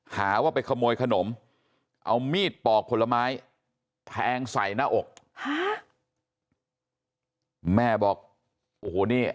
หาว่าไปขโมยขนมเอามีดปอกผลไม้แทงใส่หน้าอกฮะแม่บอกโอ้โหนี่